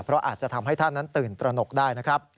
เพราะอาจจะทำให้ท่านนั้นตื่นตระหนกได้นะครับ